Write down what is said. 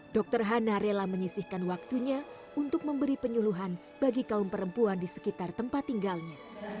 dokter hana rela menyisihkan waktunya untuk memberi penyuluhan bagi kaum perempuan di sekitar tempat tinggalnya